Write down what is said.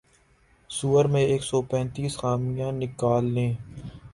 سؤر میں ایک سو پینتیس خامیاں نکال لیں